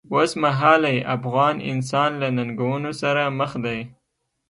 اوسمهالی افغان انسان له ننګونو سره مخ دی.